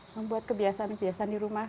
membuat kebiasaan kebiasaan di rumah